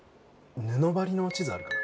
布張りの地図あるかな？